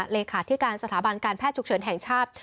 เลขาธิการสถาบันการแพทย์ฉุกเฉินแห่งชาติ